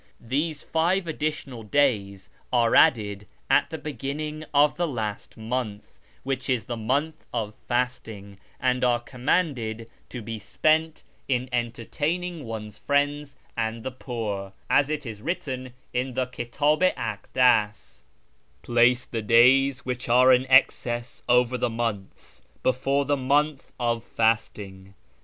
These five additional days are added at the beginning of the last month, which is the month of fasting, and are commanded to be spent in enter sh/rAz 321 taining oue's friends and the poor, as it is written in the Kitdh i Akdas —" Place the days ivliich are in excess over the months before the month of fasting.